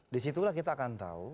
disitulah kita akan tahu